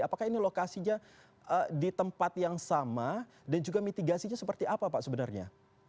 apakah ini lokasinya di tempat yang sama dan juga mitigasinya seperti apa pak sebenarnya